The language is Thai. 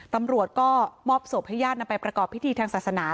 ตำรวจก็มอบศพให้ญาตินำไปประกอบพิธีทางศาสนา